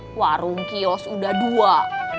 masa warung kios udah dua